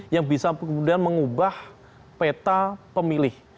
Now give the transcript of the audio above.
yang bisa kemudian mengubah peta pemilih